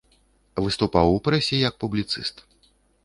Выступаў у прэсе як публіцыст.